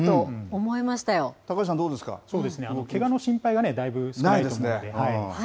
けがの心配がね、だいぶ少ないと思うので。